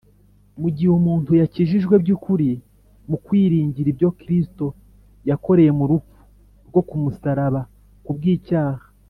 Mu gihe umuntu yakijijwe by’ukuri mu kwiringira ibyo Kristo yakoreye mu rupfu rwo ku musaraba ku bw'icyaha,